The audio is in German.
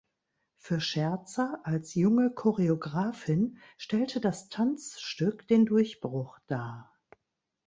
Für Scherzer als junge Choreografin stellte das Tanzstück den Durchbruch dar.